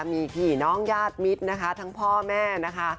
มีผีน้องญาติมิตรนะคะทั้งพ่อแม่นะคะ